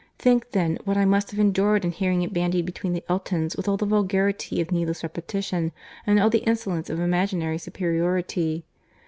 Think, then, what I must have endured in hearing it bandied between the Eltons with all the vulgarity of needless repetition, and all the insolence of imaginary superiority.